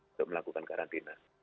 untuk melakukan karantina